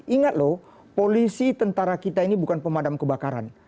ingat loh polisi tentara kita ini bukan pemadam kebakaran